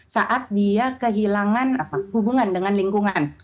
saat dia kehilangan hubungan dengan lingkungan